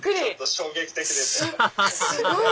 衝撃的ですよね。